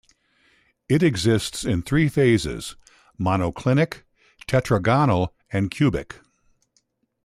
It exists in three phases: monoclinic, tetragonal and cubic.